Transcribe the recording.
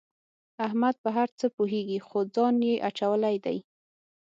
احمد په هر څه پوهېږي خو ځان یې اچولی دی.